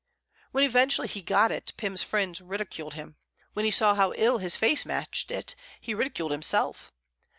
When eventually he got it, Pym's friends ridiculed him. When he saw how ill his face matched it he ridiculed himself.